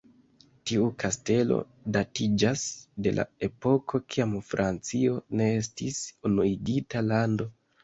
Tiu kastelo datiĝas de la epoko kiam Francio ne estis unuigita lando.